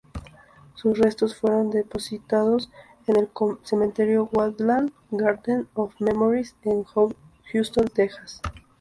Sus restos fueron depositados en el cementerio, Woodlawn Garden of Memories, en Houston, Texas.